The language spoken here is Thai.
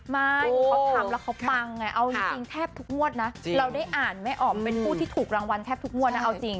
ไม่เขาทำแล้วเขาปังไงเอาจริงแทบทุกงวดนะเราได้อ่านไม่ออกเป็นผู้ที่ถูกรางวัลแทบทุกงวดนะเอาจริง